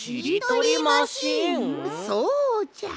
そうじゃ。